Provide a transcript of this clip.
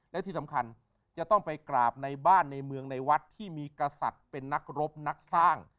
และที่สำคัญจะต้องไปกราบในบ้านในเมืองในวัดที่มีกษัตริย์เป็นนักรบนักสร้าง